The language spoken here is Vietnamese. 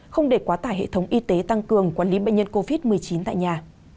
không để quá tải hệ thống y tế tăng cường quản lý bệnh nhân covid một mươi chín tại nhà